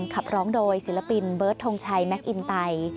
ขับร้องโดยศิลปินเบิร์ตทงชัยแมคอินไต